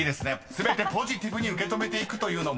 全てポジティブに受け止めていくというのも］